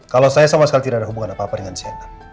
kalau saya sama sekali tidak ada hubungan apa apa dengan cnn